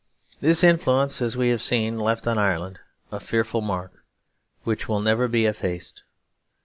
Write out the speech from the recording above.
This influence, as we have seen, left on Ireland a fearful mark which will never be effaced.